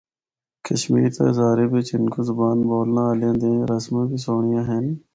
کشمیر تے ہزارے بچ ہندکو زبان بولنا آلیاں دیاں رسماں بھی سہنڑیاں ہن۔